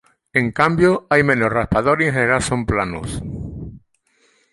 En cambio hay menos raspadores y en general son planos.